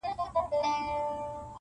ستا و ما لره بیا دار دی,